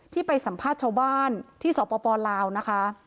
ไปสัมภาษณ์ชาวบ้านที่สปลาวนะคะ